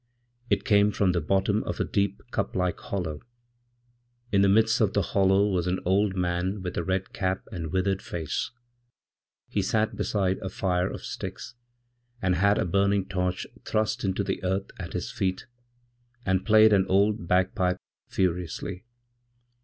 It came from the bottom of adeep, cup like hollow. In the midst of the hollow was an old man witha red cap and withered face. He sat beside a fire of sticks, and hada burning torch thrust into the earth at his feet, and played an oldbagpipe furiously.